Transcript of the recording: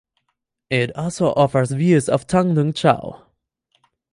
It also offers views of Tung Lung Chau.